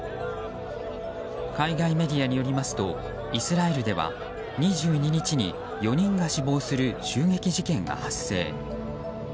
海外メディアによりますとイスラエルでは２２日に４人が死亡する銃撃事件が発生。